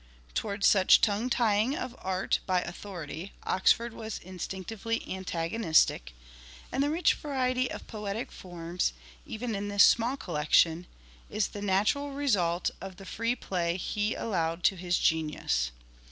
Towards such tongue tying of art by authority Oxford was instinc tively antagonistic, and the rich variety of poetic forms, even in this small collection, is the natural result of the free play he allowed to his genius.